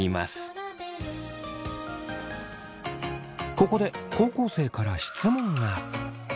ここで高校生から質問が。